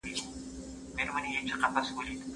هغه خپل نوم په مشهوره مجله کې ولید.